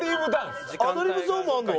アドリブゾーンもあるの？